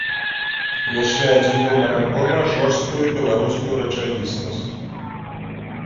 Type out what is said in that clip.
Яшчэ адзін нумар альбома жорсткую беларускую рэчаіснасць.